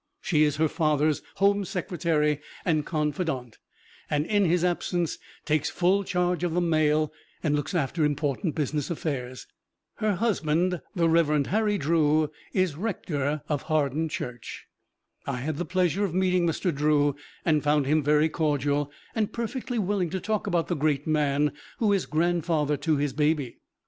She is her father's "home secretary" and confidante, and in his absence takes full charge of the mail and looks after important business affairs. Her husband, the Reverend Harry Drew, is rector of Hawarden Church. I had the pleasure of meeting Mr. Drew and found him very cordial and perfectly willing to talk about the great man who is grandfather to his baby.